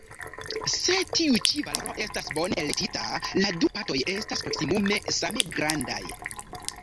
Se tiu ĉi valoro estas bone elektita, la du partoj estas proksimume same grandaj.